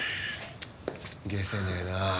解せねえな。